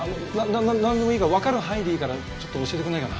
なんでもいいからわかる範囲でいいからちょっと教えてくれないかな？